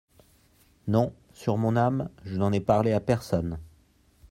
Non, sur mon âme, je n’en ai parlé à personne…